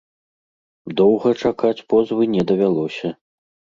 Доўга чакаць позвы не давялося.